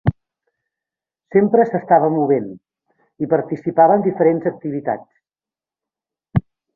Sempre s'estava movent, i participava en diferents activitats.